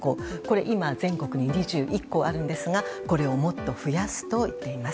今、全国に２１校あるんですがこれをもっと増やすといっています。